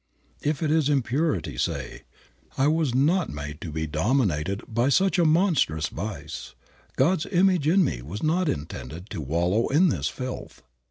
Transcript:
If it is impurity, say, "I was not made to be dominated by such a monstrous vice. God's image in me was not intended to wallow in this filth.